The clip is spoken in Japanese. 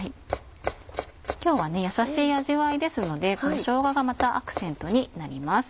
今日はね優しい味わいですのでしょうががアクセントになります。